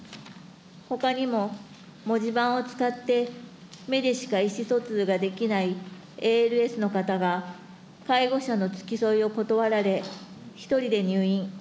ほかにも、文字盤を使って目でしか意思疎通ができないＡＬＳの方が、介護者の付き添いを断られ、１人で入院。